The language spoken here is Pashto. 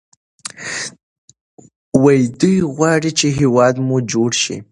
دی غواړي چې هیواد مو جوړ شي.